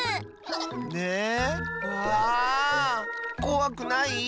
こわくない？